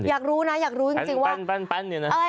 อยากรู้นะอยากรู้จริงว่า